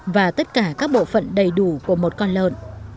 và tất cả các bộ phận đầy đủ của một con lợn